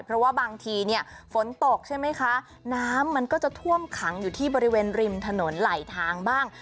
เพราะว่าบางทีเนี่ยฝนตกใช่ไหมคะน้ำมันก็จะท่วมขังอยู่ที่บริเวณริมถนนไหลทางบ้าง